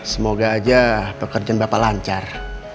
semoga aja pekerjaan bapak lancar